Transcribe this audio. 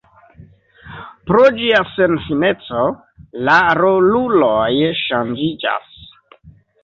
Pro ĝia senfineco la roluloj ŝanĝiĝas.